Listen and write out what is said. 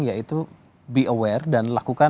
yaitu be aware dan lakukan